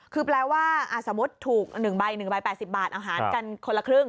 คือแปลว่าสมมุติถูก๑ใบ๑ใบ๘๐บาทอาหารกันคนละครึ่ง